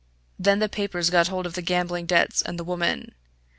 Then the papers got hold of the gambling debts and the woman.